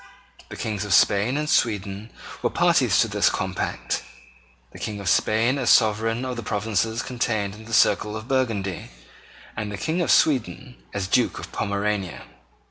The Kings of Spain and Sweden were parties to this compact, the King of Spain as sovereign of the provinces contained in the circle of Burgundy, and the King of Sweden as Duke of Pomerania.